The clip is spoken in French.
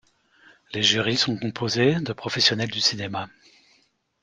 Les jurys sont composés de professionnels du cinéma.